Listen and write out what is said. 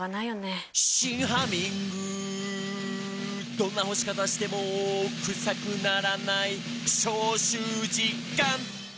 「どんな干し方してもクサくならない」「消臭実感！」